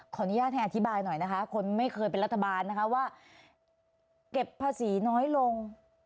อนุญาตให้อธิบายหน่อยนะคะคนไม่เคยเป็นรัฐบาลนะคะว่าเก็บภาษีน้อยลง